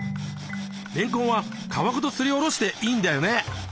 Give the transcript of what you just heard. れんこんは皮ごとすりおろしていいんだよね。